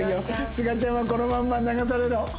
すがちゃんはこのまんま流されろ。